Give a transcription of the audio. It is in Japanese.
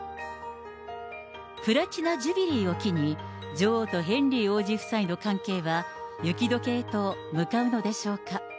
プラチナ・ジュビリーを機に、女王とヘンリー王子夫妻の関係は、雪どけへと向かうのでしょうか。